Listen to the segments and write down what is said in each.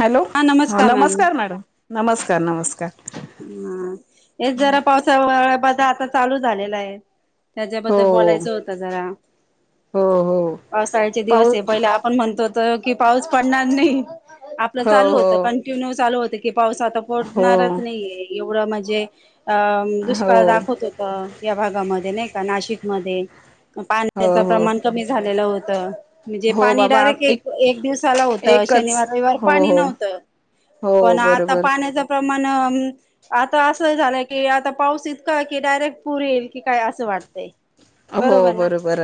Hello, हा ह ma'am नमस्कार मॅडम नमस्कार नमस्कार हम्म हे जरा पावसा बा आता चालू झालेला आहे. हो त्याच्याबद्दल बोलायचं होत जरा हो हो पावसाळ्याचे पाऊ दिवसये पहिल आप पण म्हणतो होत की पाऊस पडणार नाही आपलं हो चालू होतं हो कार ट्युन वर चालू होत की पाऊस आता पोडणारच हो नाइये एवढ म्हणजे अ दुष्काळ हो दाखवत होता या भागामध्ये नाही का नाशिकमध्ये म पाण्याचं हो हो प्रमाण कमी झालेलं होतं. म्हणजे हो पाणी बाबा डायरेक्ट एक एक दिवसाला होतं एकच शनिवार रविवार हो पाणी हो नव्हतं. हो पण आता बरोबर पाण्याचं प्रमाण अ आता असं झालंय की आता पाऊस इतका की डायरेक्ट पूर येईल की काय असं वाटतय. हो बरो बर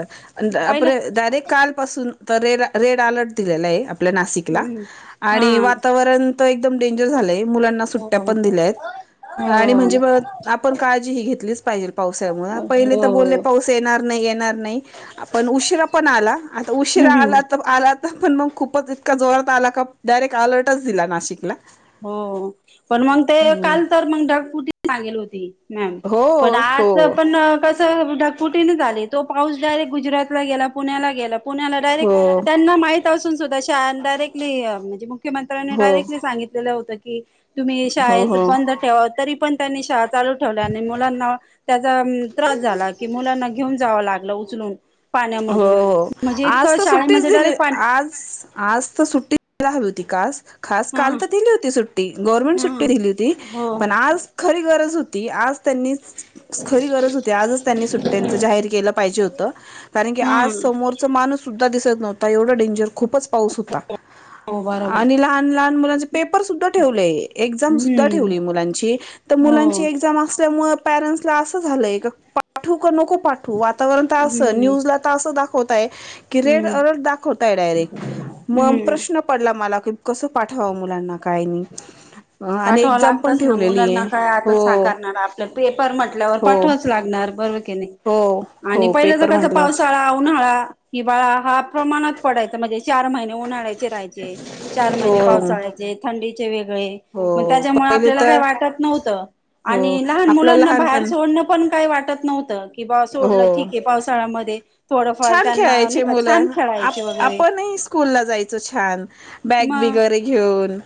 पहिलं आपण डायरेक्ट कालपासून तर रेड रेड अलर्ट दिलेला आहे आपल्या नाशिकला हम्म हा आणि वातावरण तर एकदम डेंजर झालंय मुलांना सुट्ट्या हो पण दिल्यात आणि हो म्हणजे मग आपण काळजी ही घेतलीच पाहिजे पावसामुळे पहिले तर बोलले हो पाऊस येणार नाही येणार नाही आपण उशिरा पण आला आता उशिरा हम्म हम्म आला तर आला नंतर मग खूपच इतका जोरात आला का डायरेक्ट अलर्टच दिला नाशिकला. हो पण मंग ते हो काल तर मग ढग फुटीच लागेल होती. मॅम हो पण आज हो चं पण कस स ढकफुटी नाय झाली तो पाऊस डायरेक्ट गुजरातला गेला पुण्याला गेला. पुण्याला डायरेक्ट हो त्यांना माहीत असून सुद्धा शाळा ना डायरेक्टली म्हणजे मग मुख्यमंत्र्यांनी डायरेक्टली सांगितलेलं होतं की तुम्ही हो शाळेत हो बंद ठेवा तरी पण त्यांनी शाळा चालू ठेवल्या आणि मुलांना त्याचा त्रास झाला की मुलांना घेऊन जावं लागलं उचलून हो पाण्यामधून हो म्हणजे आज इतकं तर सुट्टीच शाळेमध्ये दिली डायरेक्ट पाणी आज आज तर सुट्टी [unintelligible] यला हवी होती का आज खास हा काल तर दिली होती सुट्टी गव्हर्नमेंट हा सुट्टी दिली होती हो पण आज खरी गरज होती. आज त्यांनी खरी गरज हो ते आजच त्यांनी सुट्ट्यांच जाहीर केलं पाहिजे होतं कारण की आज हम्म समोरचा माणूस सुद्धा दिसत नव्हता एवढं डेंजर खूपच पाऊस होता हो बरोबर आणि लहान लहान मुलांचे पेपर सुद्धा ठेवलेय, एक्झाम सुद्धा हम्म ठेवली मुलांची तर हो मुलांची एक्झाम असल्यामुळ अस झालय ग पाठवू नको पाठवू वातावरण तर असं हम्म न्यूज हे आत्ता असं दाखवत आहे हम्म हम्म पडला मला कस पाठवा मुलांना काय नाही आणि पाठवावं एक्झाम पण लागतच ना ठेवलेली आहे मुलांना काय आता हो साकारणार पेपर म्हटल्यावर हो पाठवाच लागणार बरं की नाही हो आणि हो पहिल्याच पेपर कस म्हटलं पावसाळा, उन्हाळा हिवाळा हा प्रमाणात पडायचा म्हणजे चार महिने उन्हाळायचे राहा चार हो महिने पावसाळ्याचे, थंडीचे वेगळे मग हो त्याच्यामुळे पहिले आपल्याला काही तर वाटत नव्हतं. हो आणि लहान आपलं मुलांना बाहेर लहानपण सोडणं पण काही वाटत नव्हतं. की बा सोडलं हो ठीक आहे पावसाळ्यामध्ये थोडंफार छान त्यांना नाही खेळायचे का छान खेळायचे वगैरे स्कूल ला जायचं छान बॅग मग वगैरे घेऊन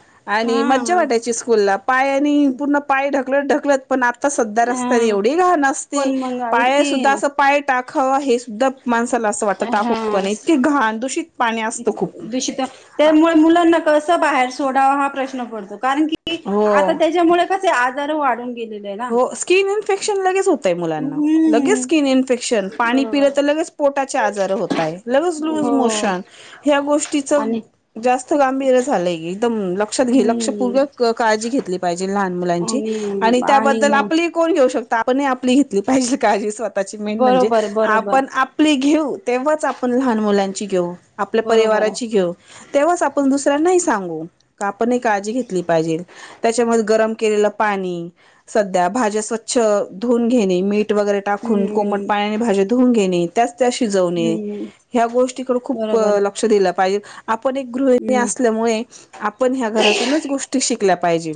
हा आणि मज्जा वाटायची स्कूल ला पाय आणि पूर्ण पाय ढकलत ढकलत पण आता सध्या रस्त्याने हा एवढी घाण असती पण मग पाय इतकी सुद्धा असं पाय टाकाव हे सुद्धा माणसाला असं वाटतं टाकू क हा नाही इतक घाण दूषित पाणी असतं खूप [unintelligible] त्यामुळे मुलांना कसं बाहेर सोडावं हा प्रश्न पडतो कारण की आता हो त्याच्यामुळे आजार वाढून गेलेले ना हो. स्किन इन्फेक्शन लगेच होतय मुलांना लगेच हम्म स्किन इन्फेक्शन पाणी पिलं बरोबर तर लगेच पोटाचे आजार होतय, लज लूज हो मोशन ह्या गोष्टीच आणि जास्त गांभीर झालंयी एकदम लक्षात घे हम्म लक्षपूर्वक काळजी घेतली पाहिजे लहान मुलांची आणि त्याबद्दल आपली कोण घेऊ शकत आपण आपली घेतली पाहिजे काळजी स्वतःची मेन म्हणजे बरोबर आप बरोबर आपली घेऊ तेव्हाच आपण लहान मुलांची घेऊ, आपल्या बरोबर परिवाराची घेऊ तेव्हाच आपण दुसऱ्यांनाही सांगू का आपण एक काळजी घेतली पाहिजेल. त्याच्यामध्ये गरम केलेलं पाणी सध्या भाज्या स्वच्छ धुवून घेणे, मीठ वगैरे टाकून कोमट हम्म पाण्याने भाज्या धुवून घेणे. त्याच त्या शिजवणे हम्म ह्या गोष्टीकडे खूप बरोबर लक्ष दिलं पाहिजे आपण एक गृहिणी हम्म असल्यामुळे आपण ह्या घरातूनच गोष्टी शिकल्या पाहिजे.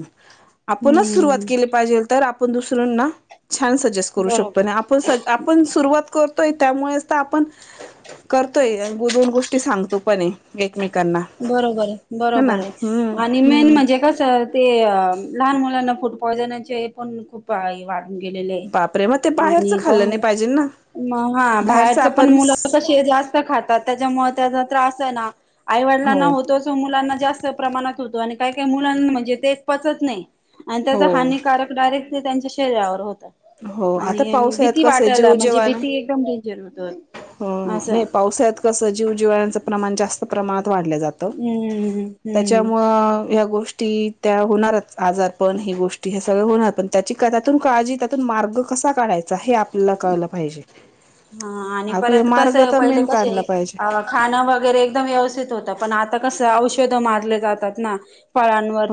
आपणच सुरुवात हम्म केली पाहिजे, तर आपण दुसऱ्यांना छान स अडजस्ट करू शकतो बरोबर नाही आपण स आपण सुरुवात कर य त्यामुळेच तर आपण करतोय दोन गोष्टी सांगतो पण एकमेकां बरोबर आहे बरोबर आहे आणि मेन हम्म म्हणजे कस ते लहान मुलांना फूड पॉयजनचे पण खूप वाढून गेलेले ये बापरे मग ते बाहेरचं खाल्लं नाही पाहिजे मग हा बाहेरच बाहेरचं पण आपण मुलं क जास्त खातात त्याच्यामुळे त्याचा त्रास आहे ना हो आईवडिलांना होतो असो मुलांना जास्त प्रमाणात होतो आणि काय काही मुलांना म्हणजे ते पचत नाही. आणि त्याचा हो हानिकारक डायरेक्ट ते त्यांच्या शरीरावर होत. हो आता आणि पावसाळ्यात भीती कसं वाटायला जीव म्हणजे भीती एकदम डेंजर होत. हो हो. असं नाही पावसाळ्यात कसं जीव जिवाळ्यांचं प्रमाण जास्त प्रमाणात वाढलं जातं. हम्म हम्म त्याच्यामुळ ह्या गोष्टी त्या होणारच आजार पण ही गोष्टी हे सगळ होणार पण त्याची त्याच्यातून काळजी त्याच्यातून मार्ग कसा काढायचा हे आपल्याला कळलं पाहिजे. हा आणि आप परत कस मार्ग तर पहिले मेन कस. काढला पाहिजे खाण वगैरे एकदम व्यवस्थित होतं पण आता कसं औषध मारले जातात ना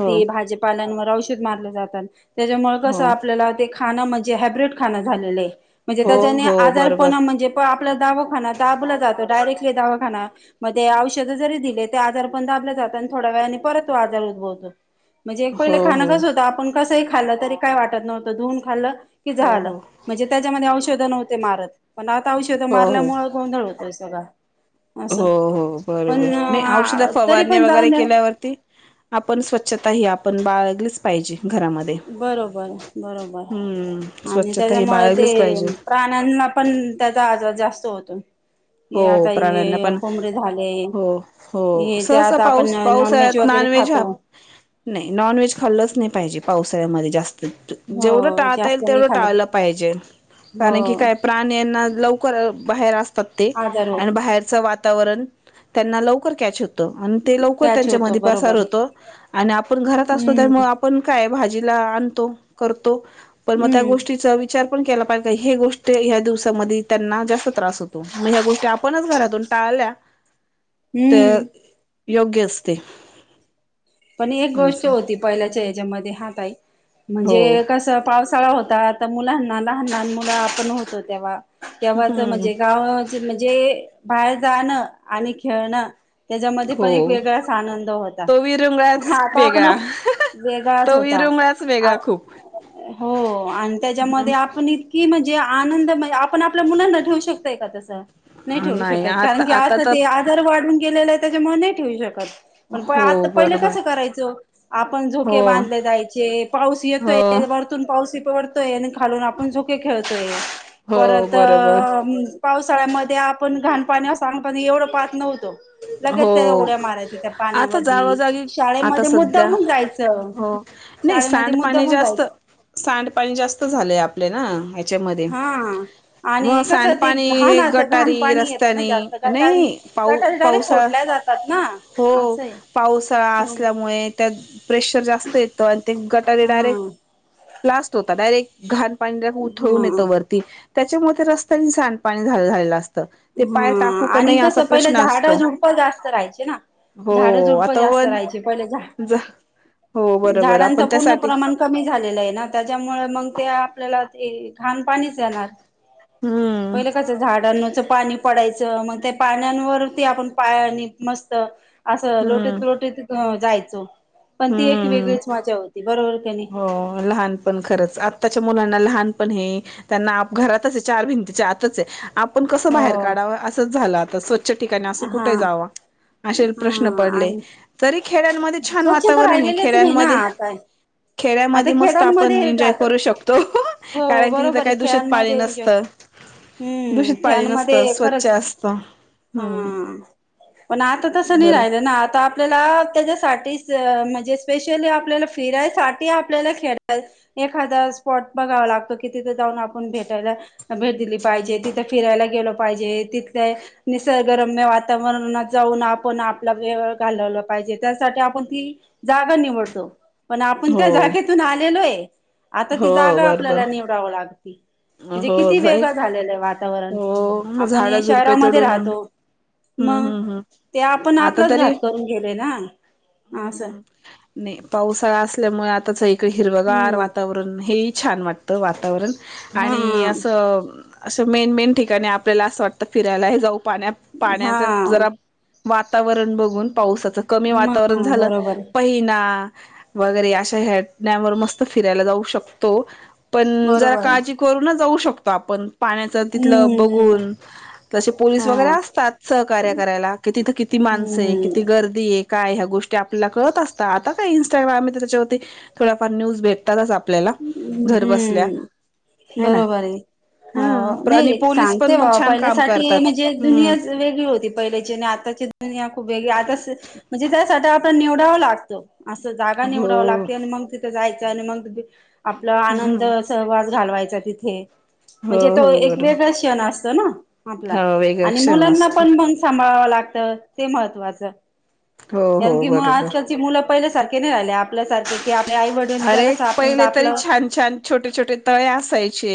हो भाजीपाल्यांवर औषध मारले जातात त्याच्यामुळे कस हो आपल्याला. म्हण ह ख म्हण हो त्या हो आ बरोबर म्हणजे पा आपला दावाखाना दाबला जातो, डायरेक्टली दावाखाना मध्ये औषध जरी दिले ते आजार पण दाबले जातात, आणि थोड्या वेळाने परत व आजार उद्भवतो. म्हणजे एक हो पहिलं खाणं हो कसं होतं आपण कसंही खाल्लं तरी काय वाटत नव्हतं, धुऊून खाल्ल की, हो झालं. हो म्हणजे त्याच्यामध्ये औषधं नव्हते मारत पण आता औषधं हो हो मारल्यामुळे गोंधळ होतोय सगळा. हो असं हो बरोबर, नाही औषध पण तरी फवारणी पण वगैरे जाऊन द्या केल्यावरती आपण स्वच्छता ही, आपण बाळगलीच पाहिजे घरामध्ये, बरोबर बरोबर. हम्म स्वच्छता ही बाळलीच पाहिजे. ना पण, त्याचा आजार जास्त होतो. हे हो आता प्राण्यांना हे पण कोबडेे झाले, हो हो हे ते सहसा आता, आपण पाऊस नॉन व्हेज पावसाळ्यात वगैरे नॉनव्हेज हा खातो. नाही नॉन व्हेज खाल्लच नाही पाहिजे, पावसाळ्यामध्ये जास्त जेवढं हो टाळता जास्त येईल, नाही तेवढं खाल टाळलं पाहिजे. कारण की हो काय, प्राण्यानां लवकर बाहेर असतात. आजार अन होतो बाहेरच वातावरण त्यांना लवकर कॅच होत. ते लवकर कॅच त्यांच्या म होतो पसार बरोबर. होत आणि आपण घरात असतो हम्म त्या पण काय भाजीला आणतो करतो पण मग त्या हम्म गोष्टीचा. उचार पण केला पाहिजे का हे गोष्ट या दिवसामध्ये त्यांना जास्त त्रास होतो. मग ह्या गोष्टी आपणच घरातून टाळल्या तर हम्म योग्य असते. पण एक गोष्ट होती पहिल्याच्या हच्यामध्ये हा ताई, हो म्हणजे कसं पावसाळा होता, आता मुलांना लहान लहान आपण होतो तेव्हा तेव्हाच हम्म म्हणजे गा. म्हणजे बाहेर जाणं, आणि खेळणं, त्याच्यामध्ये हो पण एक वेगळाच आनंद होता. तो विरंगुळाच आता पण वेगळा तो वेगळाच होता, विरंगुळाच आ वेगळा खूप. हो, आणि त्याच्यामध्ये आपण इ की, म्हणजे आनंद आपण आपल्या मुलांना ठेवू शकतोय का तसं. नाही ठेवू शकत, कारण की आता ते तर वाडून गेलेले त्याच्यामुळे नाही ठेवू शकत, पण हो आता पहिले बरोबर. कसं करायचो, आपण हो झोके बांधले जायचे, पाऊस हो येतोय, वर तून पाऊस पडतोय, आणि खालून आपण झोके खेळतोय, हो परत बरोबर पावसाळ्यामध्ये आपण, घाणपाणी, सांड पाणी एवढं पाहत नव्हतो. लगेच हो त्या उड्या मारायच्या त्या आता पाण्यामधी. जागोजागी आता शाळेमध्ये मुद्दम सध्या म्हून जायचं, हो नाही शाळेमध्ये मुद्दम सांडपाणी होून जास्त जायचं. सांडपाणी जास्त झालेय आपले ना, ह्याच्यामध्ये हा मग आणि कस, ते सांडपाणी हे घाणाचं घाण गटारी पाणी येतं ना, रस्त्यानी जास्त. गटारी, नाही पाऊ गटारी डायरेक्ट पावसाळा फोडल्या जातात. ना हो. असं आहे पावसाळा हा असल्यामुळे त्यात प्रेशर जास्त येतं, अण ते गटारी हा डायरेक्ट ब्लास्ट होतात, डायरेक्ट घाण पाणी उथळून येतं वर ती, त्याच्यामुळे रस्त्याने सांडपाणी झालं झालेलं असत. हम्म, आणि कसं पहिलं झा ड झुडप जास्त राहायचे ना, झाड हो झुडप आता जास्त वन राहायचे, पहिले झा जा हो बरोबर झाडांचा आपण पूर्ण त्यासाठी प्रमाण कमी झालेलंय ना, त्याच्यामुळे मग ते आपल्याला घान पाणीच येणार. हम्म पहिल कस झाडांन पाणी पडायचं, मग त्या पाण्यावरती आपण पायानी मस्त असं हम्म लोटत लोटीत जायचो, पण ती एक हम्म वेगळीच मजा होती, बरोबर की नाही. हो लहान पण खरंच आत्ताच्या मुलांना लहान पण हे त्यांना घरातच आहे चार भिंतीच्या आतच आहे आपण कसं बाहेर हो काढावं असंच झालं आता स्वच्छ [inaudible] असं हा कुठंही जावा असे प्रश्न हा पडले आणि तरी खेडया मध्ये छान वाता स्वच्छता [inaudible] राहिलेलेच नाही ना खेड्यांमध्ये आता आता खेड्यामध्ये मस्त आपण खेळांमध्ये एन्जॉय जातात करू शकतो ह् हो कारण की तिथं बरोबर आहे काही दूषित पाणी खेळांमध्ये एन्जॉय नसतं, हम्म दूषित पाणी खेळांमध्ये नसतं स्वच्छ खरंच असतं, हम्म हा पण आता तसं नाही बरोबर राहिलं ना आता, आपल्याला त्याच्यासाठीच म्हणजे स्पेशली आपल्याला फिरायसाठी आपल्याला खेळ एखादा स्पॉट बघावा लागतो कि तिथे जाऊन आपण भेटायला भेट दिली पाहिजे तिथे फिरायला गेलो पाहिजे तिथले निसर्गरम्य वातावरणात जाऊन आपण आपला वेळ घालवलं पाहिजे त्यासाठी आपण ती जागा निवडतो पण आपण हो त्या जागेतून आलेलोय आता ती हो जागा बरोबर आपल्याला निवड [inaudible] म्हणजे हो किती जाई वेग झालेलं आहे वातावरण हो मग आपण झाडं ये झुडपे शहरामध्ये तोडून राहतो हम्म मग हम्म हम्म ते आपण आता आपलाच तरी घात करून घेलोय ना आ असं हम्म नाही पावसाळा असल्यामुळे, आताच इकडे हिरवगार हम्म वातावरण हे ही छान वाटतं. वातावरण, हा आणि असं असं मेन मेन ठिकाणी आपल्याला असं वाटतं, फिरायला ही जाऊ पाण्यात. पाण्याच हा जरा वातावरण बघून, पावसाच कमी म वातावरण झालं, बरोबर प व्हहीना, वगरे अशा ह्या यावर मस्त फिरायला जाऊ शकतो. पण जरा बरोबर काळजी करून जाऊ शकतो आपण पाण्याच तिथलं हम्म बघून तसे पोलीस हा वगैरे असतात सहकार्य करायला कि तिथं किती माणसं आहे हम्म किती गर्दी ते काय ह्या गोष्टी आपल्याला कळत असतात आता काय इंस्टाग्राम त्याच्यावरती थोडाफार न्यूज भेटत तरच आपल्याला घर बसल्या है ना बरोबर आहे ह हा नाही आणि पोलीस सांगते पण बा पण छान काम पहिल्यासाठी करतात म्हणजे हम्म दुनियाच वेगळी होती पहिल्याची आणि आता आताची दुनिया खूप वेगळी आता म्हणजे त्यासाठी आपण निवडाव लागतो असं जागा निवडाव हो लागते आणि मग तिथे जायचं आणि मग आपला ह आनंद सहवास घालवायचा तिथे हो म्हणजे तो हो एक बरोबर वेगळा क्षण असतो ना आपला हो वेगळा आणि क्षण मुलांना असतो पण ब सांभाळावं लागत ते महत्वाच हो हो कारण की बरोबर आजकालची मुलं पहिल्यासारखे नाही राहिले आपल्यासारखे की आपणं आई वडील जरा अरे अस पहिले आप तरी छान छान छोटे छोटे तळे असायचे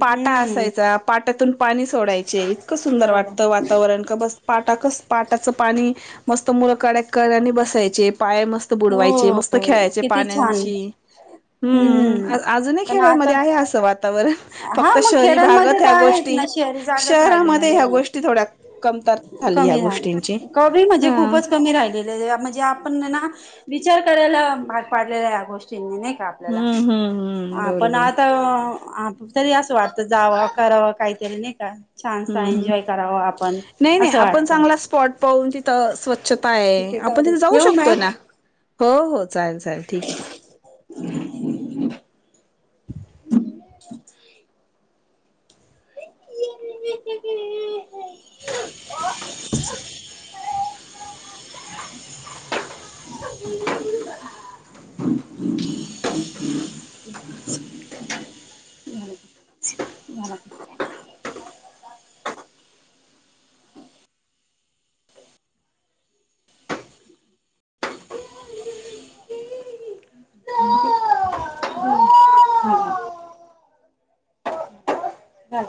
पाटा असायचा पाट्याून पाणी सोडायचे इतकं सुंदर बरोबर वाटतं वातावरण का बसत पाटाकच पाटाचं पाणी मस्त मुलं कड्या कळने बसायचे पाय मस्त त बुडवायचे मस्त हो खेळायचे किती पाण्या छान अ हम्म अजून पण खेळामध्ये आता आहे असं वा आता हा फक्त मग शहरी खेड्यांमध्ये भागत तर ह्या आहेच गोष्टी ना शहरी जागत राहिलेला शहरामध्ये ह्या गोष्टी नाही थोड्या क कमतरता झाली या कमी झालं गोष्टींची कमी म्हणजे हा खूपच कमी राहिलेले म्हणजे आपण ना विचार करायला भाग पाडलंय या गोष्टींनी नाही का आपल्याला हम्म हम्म हम्म हा पण बरोबर आता ह तरी असं वाटत जावं करावं काहीतरी नाही का छानसा हम्म हम्म एन्जॉय करावं आपण नाही नाही असं आपण वाटतं. चांगला स्पॉट पाहून तिथं स्वच्छता ठीक आहे आपण चालेल तिथे जाऊ ठेवू शकतो मॅम ना, हो हो चालेल चालेल ठीक आहे ठीक आहे. [unintelligible] [unintelligible] [unintelligible] [unintelligible] [unintelligible] [inaudible] हम ह आहे हा हा